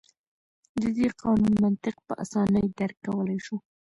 د دې قانون منطق په اسانۍ درک کولای شو.